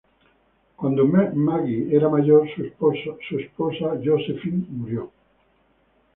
Cuando Maggie era mayor, su esposa Josephine murió.